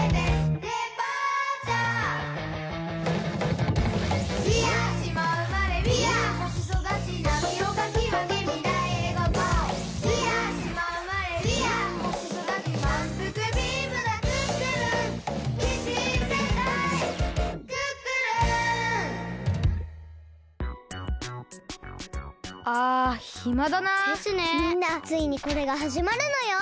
みんなついにこれがはじまるのよ！